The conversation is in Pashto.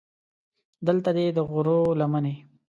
دلته دې د غرو لمنې.